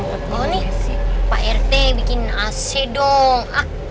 oh ini pak rt bikin ac dong